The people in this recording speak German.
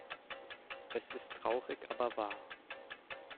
Es ist traurig aber wahr.